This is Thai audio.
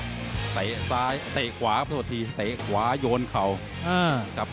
จากเตะซ้ายเตะขวาโยนเข่า